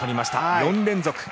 ４連続。